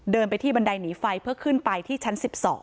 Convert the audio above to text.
เดินไปที่บันไดหนีไฟเพื่อขึ้นไปที่ชั้น๑๒